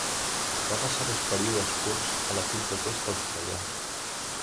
Va passar dos períodes curts a l'equip de test australià.